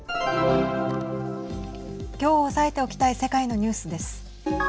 きょう押さえておきたい世界のニュースです。